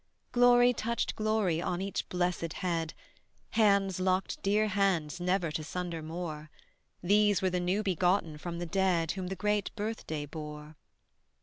Glory touched glory on each blessed head, Hands locked dear hands never to sunder more: These were the new begotten from the dead Whom the great birthday bore.